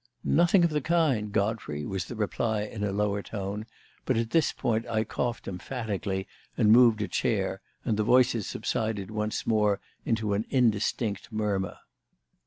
"Nothing of the kind, Godfrey," was the reply in a lower tone; but at this point I coughed emphatically and moved a chair, and the voices subsided once more into an indistinct murmur.